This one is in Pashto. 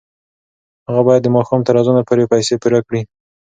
هغه باید د ماښام تر اذانه پورې پیسې پوره کړي.